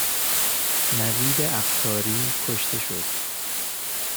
نوید افکاری کشته شد